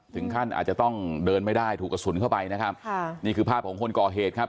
อาจจะต้องเดินไม่ได้ถูกกระสุนเข้าไปนะครับค่ะนี่คือภาพของคนก่อเหตุครับ